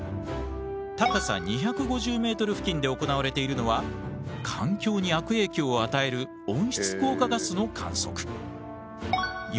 高さ２５０ｍ付近で行われているのは環境に悪影響を与える温室効果ガスの観測。